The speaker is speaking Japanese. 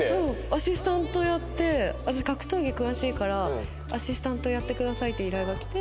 アシスタントやって私格闘技詳しいからアシスタントやってくださいって依頼が来て。